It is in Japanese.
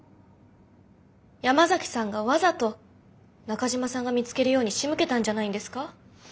山崎さんがわざと中島さんが見つけるようにしむけたんじゃないんですか？